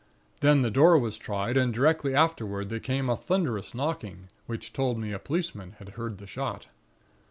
Then the door was tried, and directly afterward there came a thunderous knocking, which told me a policeman had heard the shot.